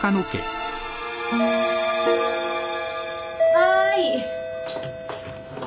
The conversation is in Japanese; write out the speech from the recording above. ・はい。